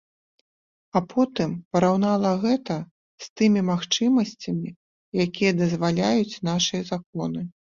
А потым параўнала гэта з тымі магчымасцямі, якія дазваляюць нашы законы.